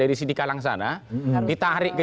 dari sidi kalang sana ditarik ke